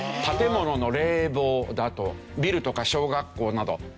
建物の冷房だとビルとか小学校など。